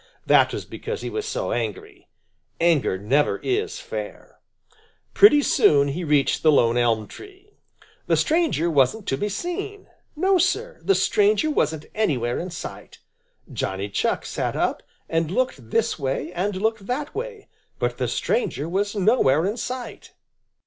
That was because he was so angry. Anger never is fair. Pretty soon he reached the lone elm tree. The stranger wasn't to be seen! No, Sir, the stranger wasn't anywhere in sight. Johnny Chuck sat up and looked this way and looked that way, but the stranger was nowhere in sight.